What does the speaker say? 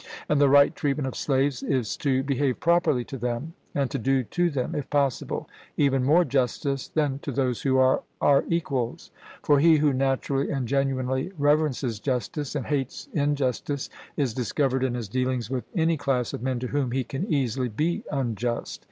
And the right treatment of slaves is to behave properly to them, and to do to them, if possible, even more justice than to those who are our equals; for he who naturally and genuinely reverences justice, and hates injustice, is discovered in his dealings with any class of men to whom he can easily be unjust.